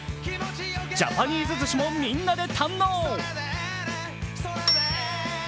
ジャパニーズずしもみんなで堪能。